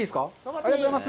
ありがとうございます。